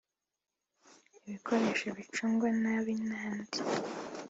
ibikoresho bicungwa nabi n’andi